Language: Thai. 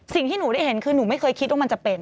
สิ่งที่หนูได้เห็นคือหนูไม่เคยคิดว่ามันจะเป็น